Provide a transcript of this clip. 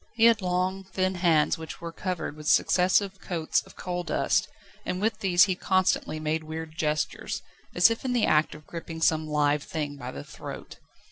He had long, thin hands, which were covered with successive coats of coal dust, and with these he constantly made weird gestures, as if in the act of gripping some live thing by the throat.